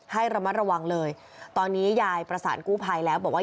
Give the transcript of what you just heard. ให้ระมัดระวังเลยตอนนี้ยายประสานกู้ภัยแล้วบอกว่า